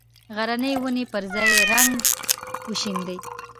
غرنې ونې پر ځان رنګ وشیندي